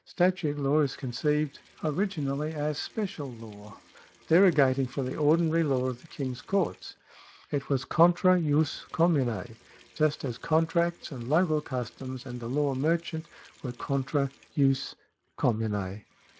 Statute law is conceived originally as special law, derogating from the ordinary law of the King's courts. It was contra jus commune, just as contracts and local customs and the law merchant were contra jus commune.